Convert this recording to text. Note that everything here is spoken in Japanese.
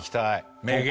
名言。